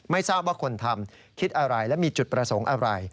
ไม่ทราบว่าคนทำคิดอะไรและมีจุดประสงค์อะไร